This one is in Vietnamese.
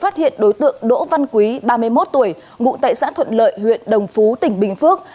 phát hiện đối tượng đỗ văn quý ba mươi một tuổi ngụ tại xã thuận lợi huyện đồng phú tỉnh bình phước